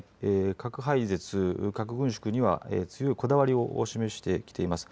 核廃絶、核軍縮には強いこだわりを示してきています。